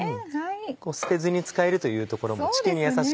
捨てずに使えるというところも地球に優しいですね。